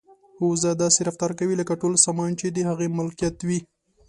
وزه داسې رفتار کوي لکه ټول سامان چې د هغې ملکیت وي.